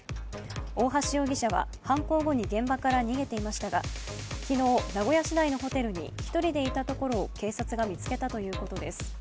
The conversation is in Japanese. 大橋容疑者は犯行後に現場から逃げていましたが昨日、名古屋市内のホテルに１人でいたところを警察が見つけたということです。